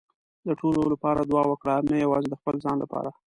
د ټولو لپاره دعا وکړه، نه یوازې د خپل ځان لپاره.